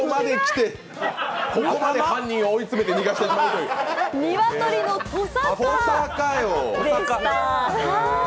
ここまで犯人を追い詰めて逃がす！